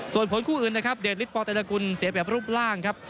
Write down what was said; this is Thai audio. ส่วนผลคู่อื่นนะครับเดชฤทธปเตรกุลเสียแบบรูปร่างครับ